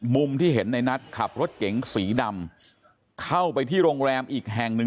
มุมที่เห็นในนัทขับรถเก๋งสีดำเข้าไปที่โรงแรมอีกแห่งหนึ่ง